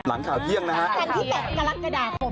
หลังข่าวเที่ยงนะครับ